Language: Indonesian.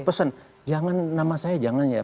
pesen jangan nama saya jangan ya